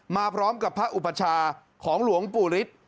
มาพร้อมกับพระอุปชาของหลวงปู่ฤทธิ์